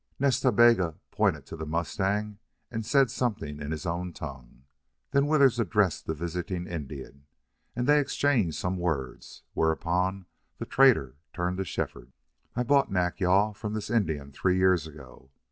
Nas Ta Bega pointed to the mustang and said something in his own tongue. Then Withers addressed the visiting Indian, and they exchanged some words, whereupon the trader turned to Shefford: "I bought Nack yal from this Indian three years ago.